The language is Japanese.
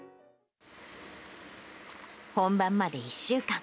本番まで１週間。